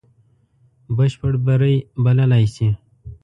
بشپړ بری بللای سي.